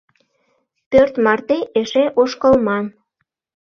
Пӧрт марте эше ошкылман.